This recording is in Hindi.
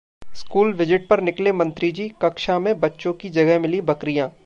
स्कूल विजिट पर निकले मंत्री जी, कक्षा में बच्चों की जगह मिलीं बकरियां